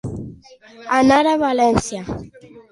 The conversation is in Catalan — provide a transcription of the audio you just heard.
Anar a València.